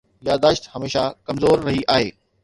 ياداشت هميشه ڪمزور رهي آهي.